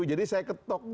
jadi saya ketok gitu loh